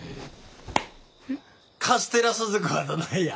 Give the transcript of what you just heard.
カステラ鈴子はどないや！